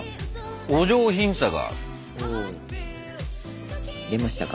お上品さが。出ましたか？